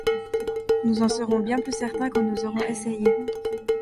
Nous en serons bien plus certains quand nous aurons essayé